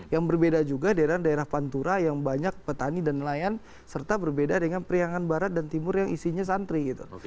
yang berbeda juga daerah daerah pantura yang banyak petani dan nelayan serta berbeda dengan periangan barat dan timur yang isinya santri gitu